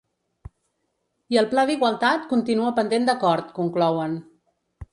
I el pla d’igualtat continua pendent d’acord, conclouen.